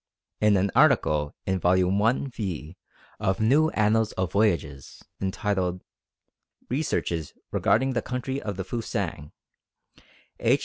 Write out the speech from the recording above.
In an article in vol. lv. of New Annals of Voyages entitled "Researches regarding the Country of the Fusang," H.